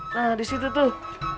nah disitu tuh